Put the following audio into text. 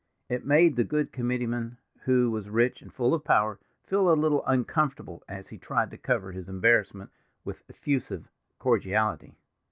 It made the good committeeman, who was rich and full of power, feel a little uncomfortable, as he tried to cover his embarrassment with effusive cordiality.